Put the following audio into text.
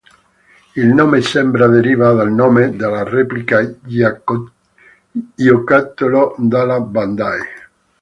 Il nome sembra deriva dal nome della replica giocattolo della Bandai.